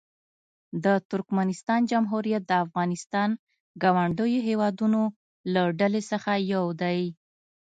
د ترکمنستان جمهوریت د افغانستان ګاونډیو هېوادونو له ډلې څخه یو دی.